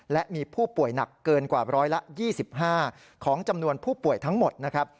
และมีผู้ป่วยหนักเกินกว่าร้อยละ๒๕ของจำนวนผู้ป่วยทั้งหมดนะครับ